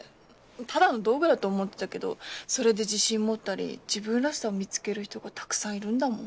ただの道具だと思ってたけどそれで自信持ったり自分らしさを見つける人がたくさんいるんだもん。